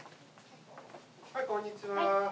はいこんにちは。